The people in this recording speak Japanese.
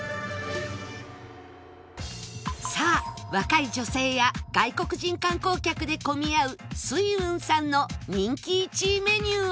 さあ若い女性や外国人観光客で混み合う翠雲さんの人気１位メニューは？